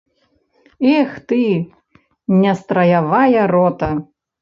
Эх ты, нестраявая рота!